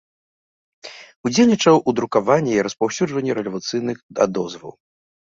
Удзельнічаў у друкаванні і распаўсюджванні рэвалюцыйных адозваў.